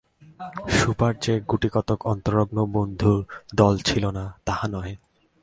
সুভার যে গুটিকতক অন্তরঙ্গ বন্ধুর দল ছিল না, তাহা নহে।